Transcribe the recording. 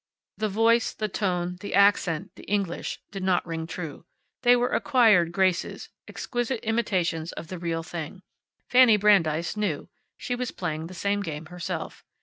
The voice, the tone, the accent, the English, did not ring true They were acquired graces, exquisite imitations of the real thing. Fanny Brandeis knew. She was playing the same game herself.